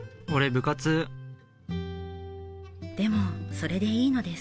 でも、それでいいのです。